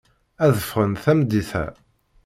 Ad ffɣen tameddit-a.